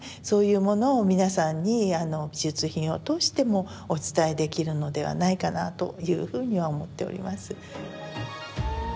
そういうものを皆さんに美術品を通してもお伝えできるのではないかなというふうには思っております。